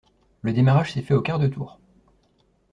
Le démarrage s’est fait au quart de tour.